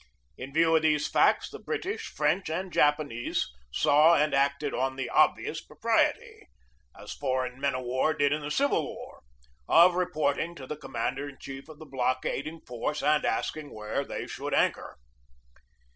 In view of these facts, the British, French, and Japanese saw and acted on the obvious propriety as foreign men of war did in the Civil War of reporting to the commander in chief of the blockading force and ask ing where they should anchor.